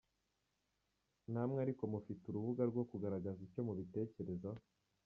Namwe ariko mufite urubuga rwo kugaragaza icyo mubitekerezaho.